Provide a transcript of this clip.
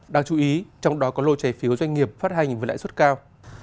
đáng chú ý trong đó có lô trái phiếu doanh nghiệp phát hành với lãi suất cao